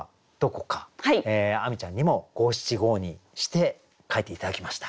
亜美ちゃんにも五七五にして書いて頂きました。